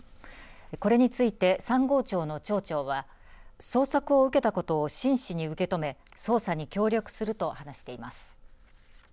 これについて三郷町の町長は捜索を受けたことを真摯に受け止め捜査に協力すると話しています。